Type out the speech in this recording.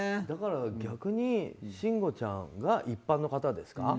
だから逆に慎吾ちゃんが一般の方ですか。